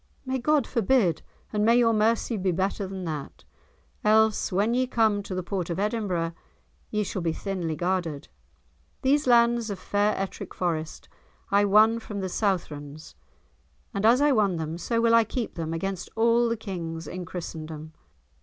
"May God forbid, and may your mercy be better than that, else, when ye come to the port of Edinburgh, ye shall be thinly guarded. These lands of fair Ettrick Forest I won from the Southrons, and as I won them so will I keep them, against all the Kings in Christendom."